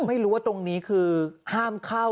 ไม่รู้ว่าตรงนี้คือห้ามเข้า